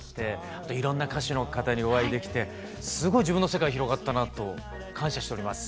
あといろんな歌手の方にお会いできてすごい自分の世界広がったなと感謝しております。